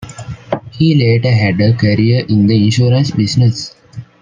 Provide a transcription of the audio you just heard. He later had a career in the insurance business.